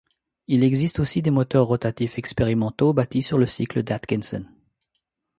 Il existe aussi des moteurs rotatifs expérimentaux bâtis sur le cycle d'Atkinson.